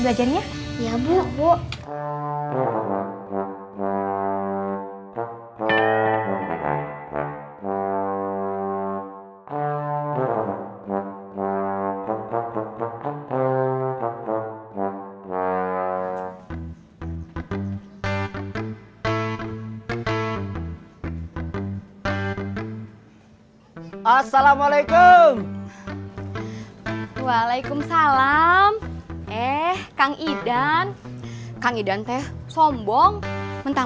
bukannya sombong bukan